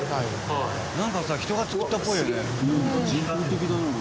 なんかさ人が作ったっぽいよね。